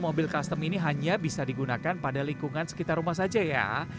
mobil custom ini hanya bisa digunakan pada lingkungan sekitar rumah saja ya